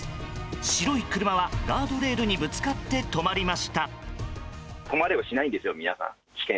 白い車はガードレールにぶつかって止まりました。